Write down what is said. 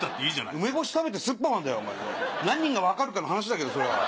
梅干し食べてスッパマンだよ何人が分かるかの話だけど。